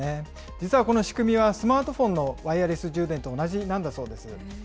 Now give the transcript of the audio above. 実はこの仕組みは、スマートフォンのワイヤレス充電と同じなんだそうです。